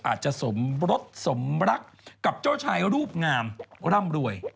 อาจจะสำรับกับเจ้าชายรูปงามร่ำรวย